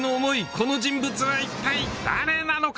この人物は一体誰なのか？